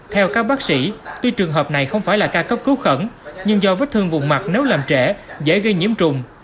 theo các bác sĩ tuy trường hợp này không phải là ca cấp cứu khẩn nhưng do vết thương vùng mặt nếu làm trẻ dễ gây nhiễm trùng